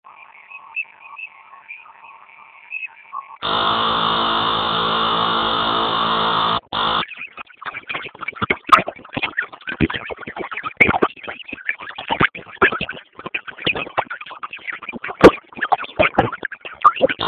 هره ورځ موسیقي اورم